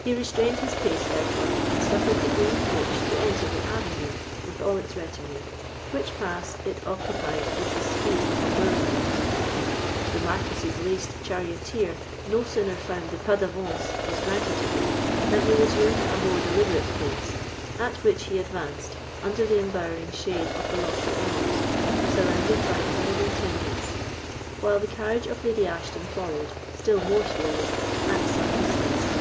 He restrained his pace, therefore, and suffered the green coach to enter the avenue, with all its retinue, which pass it occupied with the speed of a whirlwind. The Marquis's laced charioteer no sooner found the pas d'avance was granted to him than he resumed a more deliberate pace, at which he advanced under the embowering shade of the lofty elms, surrounded by all the attendants; while the carriage of Lady Ashton followed, still more slowly, at some distance.